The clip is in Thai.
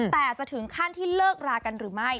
แต่จะถึงขั้นที่เลิกรากันหรือไม่